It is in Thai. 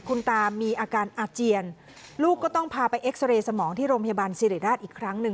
คุณตามีอาการอาเจียนลูกก็ต้องพาไปเอ็กซาเรย์สมองที่โรงพยาบาลสิริราชอีกครั้งหนึ่ง